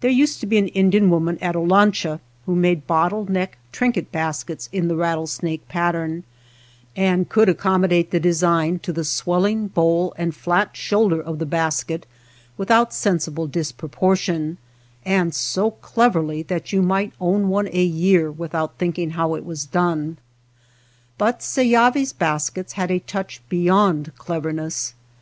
There used to be an Indian woman at Olancha who made bottle neck trinket baskets in the rattlesnake pattern, and could accom modate the design to the swelling bowl and flat shoulder of the basket without sensible disproportion, and so cleverly that you might own one a year without thinking how it was done ; but Seyavi's baskets had a touch beyond cleverness.